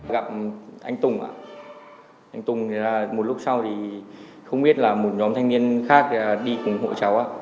gặp anh tùng ạ anh tùng là một lúc sau thì không biết là một nhóm thanh niên khác đi cùng hộ cháu